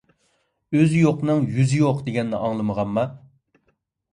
ئۆزى يوقنىڭ يۈزى يوق دېگەننى ئاڭلىمىغانما؟